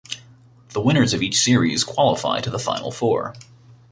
The winners of each series qualify to the final four.